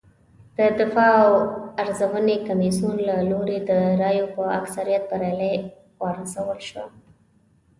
د دفاع د ارزونې کمېسیون له لوري د رایو په اکثریت بریالۍ وارزول شوه